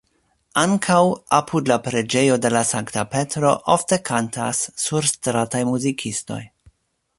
Ankaŭ apud la preĝejo de la sankta Petro ofte kantas surstrataj muzikistoj.